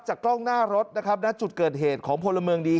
กล้องหน้ารถนะครับณจุดเกิดเหตุของพลเมืองดี